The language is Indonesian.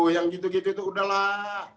yang gitu gitu itu udah lah